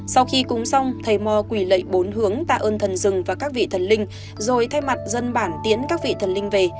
sau khi cúng xong thầy mò quỷ lệ bốn hướng tạ ơn thần rừng và các vị thần linh rồi thay mặt dân bản tiễn các vị thần linh về